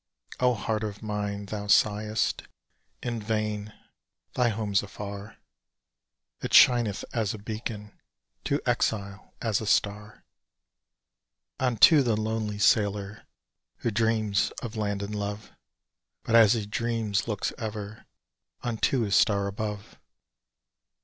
O heart of mine, thou sighest In vain, thy home's afar; It shineth as a beacon To exile as a star Unto the lonely sailor Who dreams of land and love, But as he dreams looks ever Unto his star above!